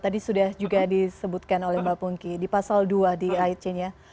tadi sudah juga disebutkan oleh mbak pungki di pasal dua di aitc nya